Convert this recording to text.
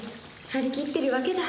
はりきってるわけだ。